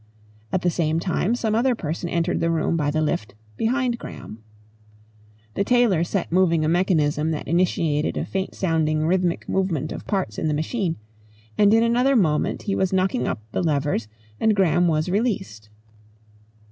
At the same time, some other person entered the room by the lift, behind Graham. The tailor set moving a mechanism that initiated a faint sounding rhythmic movement of parts in the machine, and in another moment he was knocking up the levers and Graham was released.